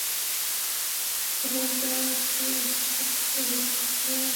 এখন ট্রাফিকে ভিক্ষা করবে সাত্তুর অনাথ রাজপুত্ররা।